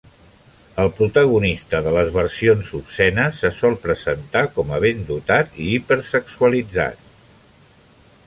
El protagonista de les versions obscenes se sol presentar com a ben dotat i hipersexualitzat.